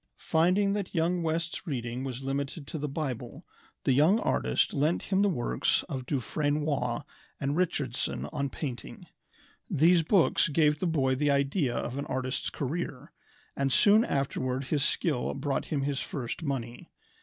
Finding that young West's reading was limited to the Bible, the young artist lent him the works of Dufresnoy (Doo frayn wah) and Richardson on painting. These books gave the boy the idea of an artist's career, and soon afterward his skill brought him his first money.